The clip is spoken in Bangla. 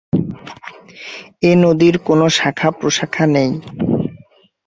এ নদীর কোনো শাখা-প্রশাখা নেই।